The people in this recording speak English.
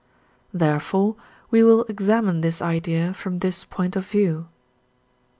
Therefore we will examine this idea from this point of view.